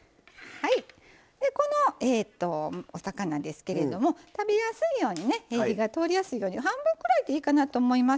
このお魚ですけど食べやすいように火が通りやすいように半分ぐらいでいいかなと思います。